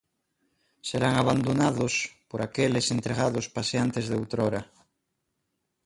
Serán abandonados por aqueles entregados paseantes de outrora.